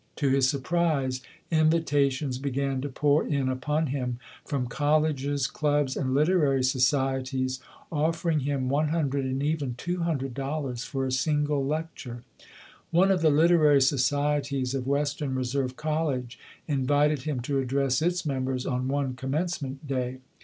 To his surprise, invitations began to pour in upon FREDERICK DOUGLASS [ 35 him from colleges, clubs and literary societies offering him one hundred and even two hundred dollars for a single lecture. One of the literary societies of Western Re serve College invited him to address its members on one Commencement Day.